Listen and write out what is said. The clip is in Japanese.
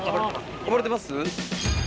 暴れてます？